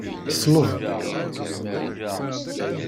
Ṣleb.